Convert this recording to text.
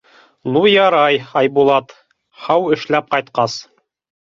— Ну ярай, Айбулат, һау эшләп ҡайтҡас.